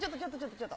ちょっと。